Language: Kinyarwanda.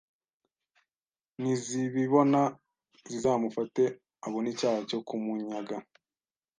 nizibibona zizamufate abone icyaha cyo kumunyaga.